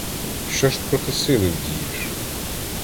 Що ж проти сили вдієш?